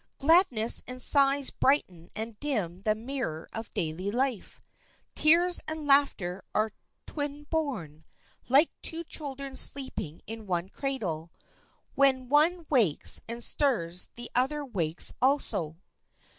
Gladness and sighs brighten and dim the mirror of daily life. Tears and laughter are twin born. Like two children sleeping in one cradle, when one wakes and stirs the other wakes also.